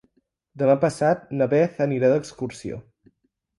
Demà passat na Beth anirà d'excursió.